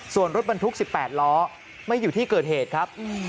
ส่วนรถบรรทุก๑๘ล้อไม่อยู่ที่เกิดเหตุครับ